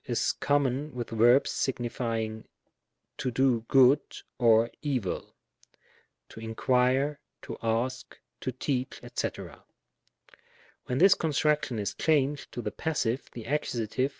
is common with verbs signi fying " to do good," or " evil," — ^to inquire — ^to ask — to teach, &c., &c. When this construction is changed to the passive, the Accus.